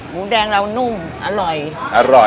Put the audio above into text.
หมูแดงเรานุ่มอร่อย